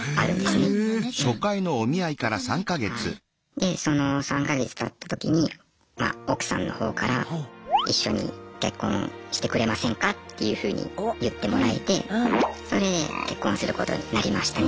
でその３か月たった時にま奥さんの方からっていうふうに言ってもらえてそれで結婚することになりましたね。